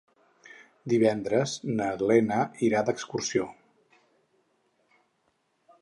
Divendres na Lena irà d'excursió.